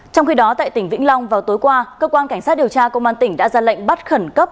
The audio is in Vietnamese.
trong khi đó tại tỉnh vĩnh long vào tối qua cơ quan cảnh sát điều tra công an tỉnh đã ra lệnh bắt khẩn cấp